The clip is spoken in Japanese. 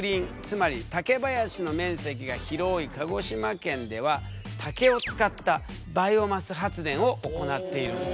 つまり竹林の面積が広い鹿児島県では竹を使ったバイオマス発電を行っているんだ。